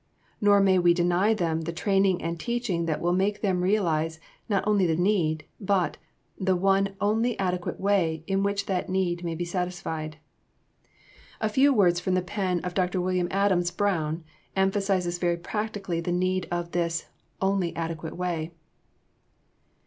Nor may we deny them the training and teaching that will make them realize not only the need, but the one only adequate way in which that need may be satisfied. A few words from the pen of Dr. William Adams Brown emphasize very practically the need of this "only adequate way." [Sidenote: The one great need of the world.